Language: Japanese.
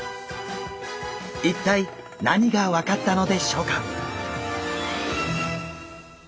一体何が分かったのでしょうか？